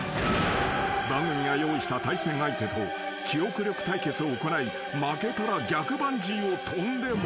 ［番組が用意した対戦相手と記憶力対決を行い負けたら逆バンジーをとんでもらうのだ］